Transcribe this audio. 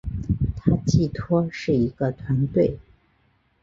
它寄托是一个团队